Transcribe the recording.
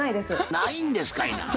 ないんですかいな。